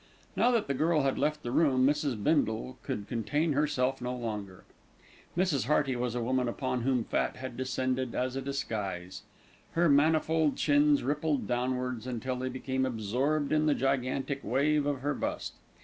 Now that the girl had left the room, Mrs. Bindle could contain herself no longer. Mrs. Hearty was a woman upon whom fat had descended as a disguise. Her manifold chins rippled downwards until they became absorbed in the gigantic wave of her bust.